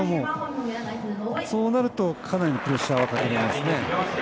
そうなるとかなりのプレッシャーはかかりますね。